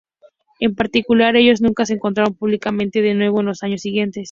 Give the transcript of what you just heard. En particular, ellos nunca se encontraron 'públicamente' de nuevo en los años siguientes.